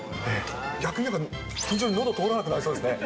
逆に言えば、緊張でのど通らなくなりそうですね。